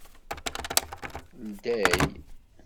Ldey!